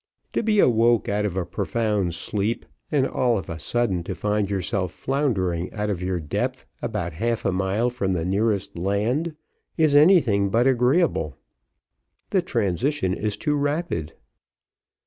To be awoke out of a profound sleep, and all of a sudden to find yourself floundering out of your depth about half a mile from the nearest land, is anything but agreeable; the transition is too rapid.